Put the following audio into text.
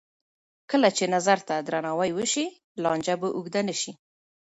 کله چې نظر ته درناوی وشي، لانجه به اوږده نه شي.